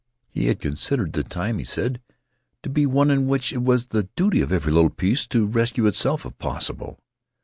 He had considered the time, he said, to be one in which it was the duty of every little piece to rescue itself if possible.